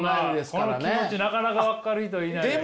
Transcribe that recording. この気持ちなかなか分かる人いないよ。